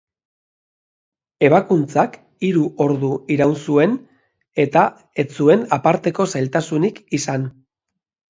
Ebakuntzak hiru ordu iraun zuen eta ez zuen aparteko zailtasunik izan.